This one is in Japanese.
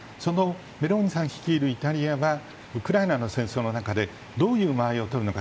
メローニさん率いるイタリアがウクライナの戦争でどういった立場をとるのか。